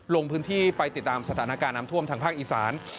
ลงพื้นที่ไปติดตามสถานการณ์น้ำท่วมทางภาคอีสาน